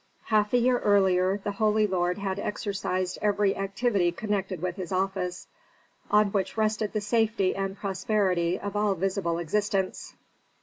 Half a year earlier the holy lord had exercised every activity connected with his office, on which rested the safety and prosperity of all visible existence.